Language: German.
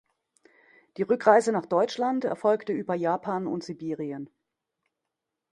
Die Rückreise nach Deutschland erfolgte über Japan und Sibirien.